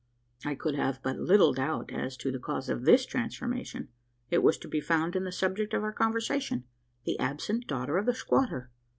I could have but little doubt as to the cause of this transformation. It was to be found in the subject of our conversation the absent daughter of the squatter.